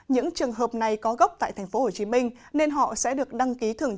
những trường hợp này có gốc tại tp hcm nên họ sẽ được đăng ký thường